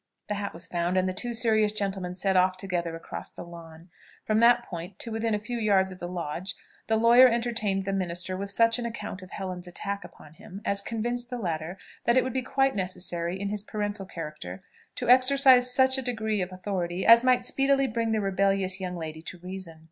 The hat was found, and the two serious gentlemen set off together across the lawn; from that point, to within a few yards of the lodge, the lawyer entertained the minister with such an account of Helen's attack upon him, as convinced the latter, that it would be quite necessary, in his parental character, to exercise such a degree of authority as might speedily bring the rebellious young lady to reason.